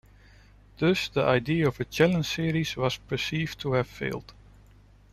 Thus the idea of a Challenge Series was perceived to have failed.